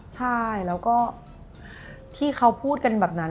ใช่แล้วก็ที่เขาพูดกันแบบนั้น